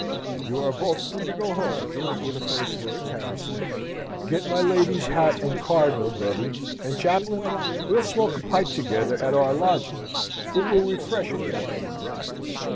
"You are both free to go home," were the first words Harry said. "Get my lady's hat and cardinal, Betty, and, Chaplain, we'll smoke a pipe together at our lodgings, it will refresh me after my ride."